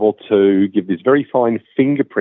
pengetahuan yang sangat baik